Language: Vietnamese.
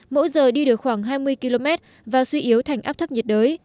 mỗi giờ đi được khoảng hai mươi km và suy yếu thành áp thấp nhiệt đới